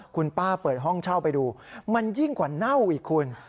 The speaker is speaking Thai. คุณป้าเปิดห้องเช่าไปดูมันยิ่งกว่าเน่าอีกคุณ